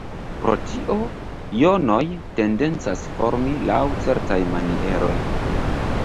Pro tio, jonoj tendencas formi laŭ certaj manieroj.